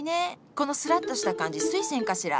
このスラッとした感じスイセンかしら？